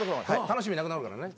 楽しみなくなるからね。